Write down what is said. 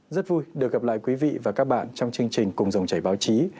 rất vui được gặp lại quý vị và các bạn trong chương trình cùng dòng chảy báo chí